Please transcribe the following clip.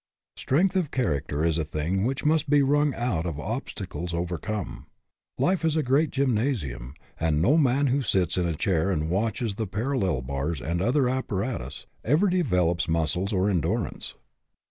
Strength of character is a thing which must be wrung out of obstacles overcome. Life is a great gymnasium, and no man who sits in a chair and watches the parallel bars and other apparatus ever develops muscles or endur ance.